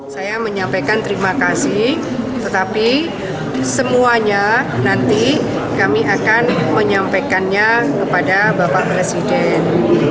saya menyampaikan terima kasih tetapi semuanya nanti kami akan menyampaikannya kepada bapak presiden